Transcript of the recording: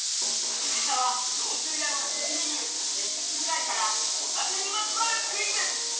藤沢、上州屋の人気メニュー、ミックスフライからホタテにまつわるクイズ。